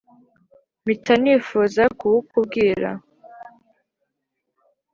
mpita nifuza kuwukubwira